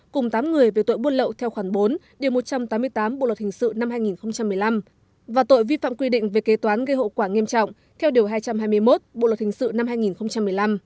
cùng tám người về tội buôn lậu theo khoản bốn điều một trăm tám mươi tám bộ luật hình sự năm hai nghìn một mươi năm và tội vi phạm quy định về kế toán gây hậu quả nghiêm trọng theo điều hai trăm hai mươi một bộ luật hình sự năm hai nghìn một mươi năm